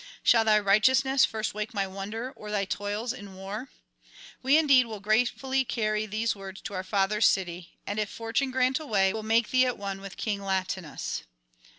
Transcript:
Shall thy righteousness first wake my wonder, or thy toils in war? We indeed will gratefully carry these words to our fathers' city, and, if fortune grant a way, will make thee at one with King Latinus.